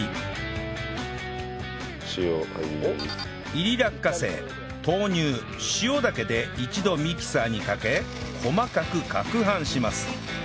炒り落花生豆乳塩だけで一度ミキサーにかけ細かく攪拌します